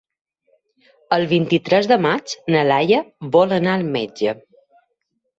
El vint-i-tres de maig na Laia vol anar al metge.